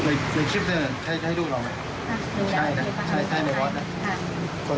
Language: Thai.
ในชิฟเมืองให้ลูกหลอมไหม